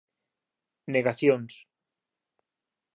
Negacións